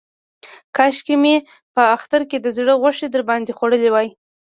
کاشکې مې په اختر کې د زړه غوښې در باندې خوړلې وای.